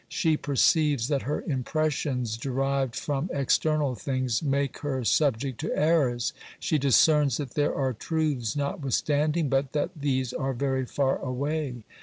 She perceives that her impressions, derived from external things, make her subject to errors ; she discerns that there are truths notwithstanding, but that these are very far away.